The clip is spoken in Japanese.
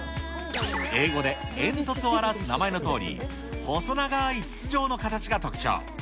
英語で煙突を表す名前のとおり、細長い筒状の形が特徴。